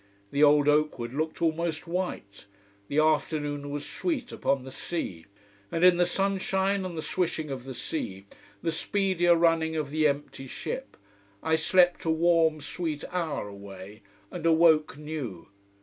The old oak wood looked almost white, the afternoon was sweet upon the sea. And in the sunshine and the swishing of the sea, the speedier running of the empty ship, I slept a warm, sweet hour away, and awoke new.